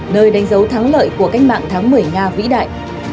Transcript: nơi đánh dấu thắng lợi của cách mạng tháng một mươi nga vĩ đại